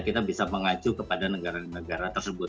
kita bisa mengacu kepada negara negara tersebut